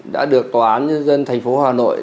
đã được tòa án nhân dân thành phố hà nội